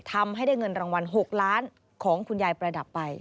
ทำให้ได้เงินรางวัล๖ล้านของคุณยายประดับไป